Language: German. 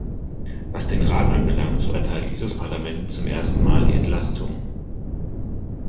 Was den Rat anbelangt, so erteilt dieses Parlament zum ersten Mal die Entlastung.